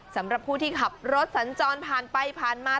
สำหรับผู้ที่ขับรถสัญจรผ่านไปผ่านมา